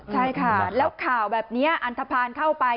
ใช่ค่ะแล้วข่าวแบบนี้อันทภาณเข้าไป